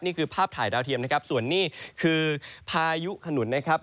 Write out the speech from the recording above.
นี่คือภาพถ่ายดาวเทียมนะครับส่วนนี้คือพายุขนุนนะครับ